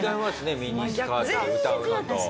ミニスカートで歌うのと。